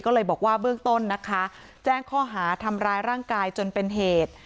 ก็เลยบอกว่าเบื้องต้นนะคะแจ้งข้อหาทำร้ายร่างกายจนเป็นเหตุ